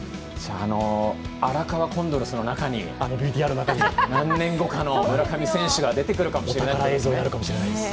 荒川コンドルの中に、何年後かの村上選手が出てくるかもれしないですね。